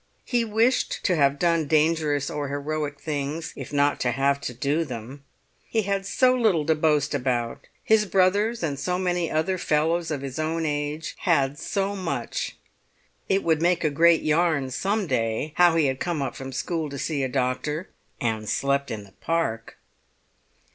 He wished to have done dangerous or heroic things, if not to have to do them. He had so little to boast about; his brothers, and so many other fellows of his own age, had so much. It would make a great yarn some day, how he had come up from school to see a doctor—and slept in the Park!